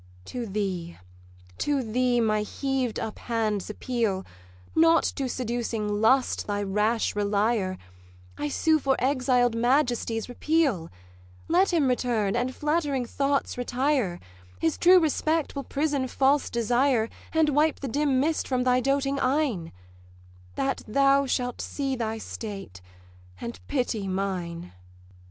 'To thee, to thee, my heaved up hands appeal, Not to seducing lust, thy rash relier: I sue for exiled majesty's repeal; Let him return, and flattering thoughts retire: His true respect will prison false desire, And wipe the dim mist from thy doting eyne, That thou shalt see thy state and pity mine.'